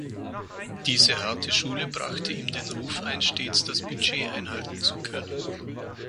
Diese harte Schule brachte ihm den Ruf ein, stets das Budget einhalten zu können.